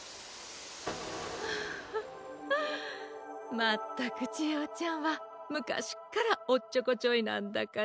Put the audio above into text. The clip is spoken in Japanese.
まったくちえおちゃんはむかしっからおっちょこちょいなんだから。